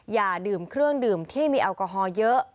อย่าดื่มเครื่องดื่มที่มีแอลกอฮอล์เยอะ